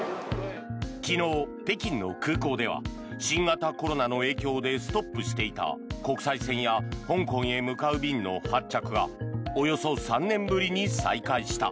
昨日、北京の空港では新型コロナの影響でストップしていた国際線や香港へ向かう便の発着がおよそ３年ぶりに再開した。